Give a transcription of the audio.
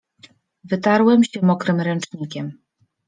Wytarłem się mokrym ręcznikiem.